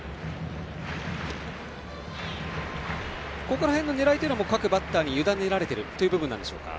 ここら辺の狙いというのも各バッターにゆだねられているんでしょうか。